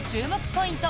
ポイント